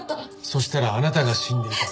そしたらあなたが死んでいた。